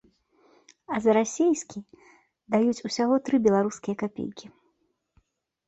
А за расійскі даюць усяго тры беларускія капейкі.